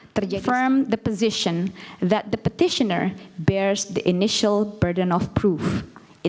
terjemahan bahwa petisianer memiliki peraturan pertama